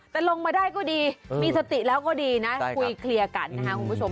แต่ลงมาได้ก็ดีมีสติแล้วก็ดีนะคุยเคลียร์กันนะครับคุณผู้ชม